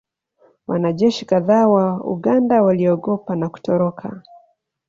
Wanajeshi kadhaa wa Uganda waliogopa na kutoroka